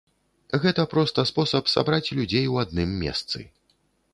Гэта проста спосаб сабраць людзей у адным месцы.